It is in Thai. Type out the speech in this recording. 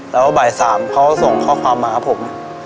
แล้วบ่าย๓เขาส่งข้อความมาหาผม